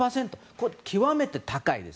これ、極めて高いです。